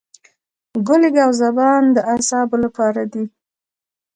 ګل ګاو زبان د اعصابو لپاره دی.